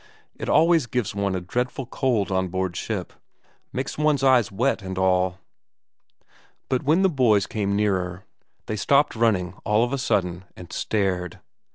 It always gives one a dreadful cold on board ship makes one's eyes wet and all! But when the boys came nearer they stopped running all of a sudden and stared.